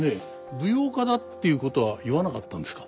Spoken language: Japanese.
舞踊家だっていうことは言わなかったんですか？